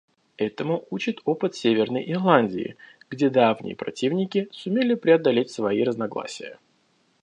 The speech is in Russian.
Этому учит опыт Северной Ирландии, где давние противники сумели преодолеть свои разногласия.